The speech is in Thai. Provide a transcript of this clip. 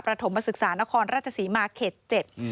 ประถมศึกษานครรภ์รัชศรีมังเฉศ๗